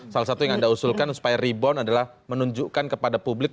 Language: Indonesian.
salah satu yang anda usulkan supaya rebound adalah menunjukkan kepada publik